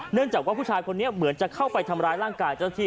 จากว่าผู้ชายคนนี้เหมือนจะเข้าไปทำร้ายร่างกายเจ้าที่